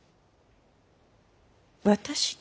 私に？